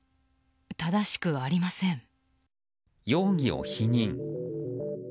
容疑を否認。